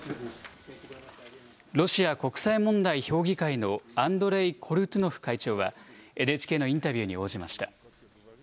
ロシア国際問題評議会のアンドレイ・コルトゥノフ会長は、ＮＨＫのインタビューに応じました。